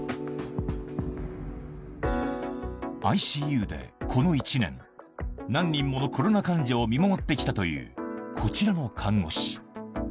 ＩＣＵでこの１年、何人ものコロナ患者を見守ってきたという、こちらの看護師。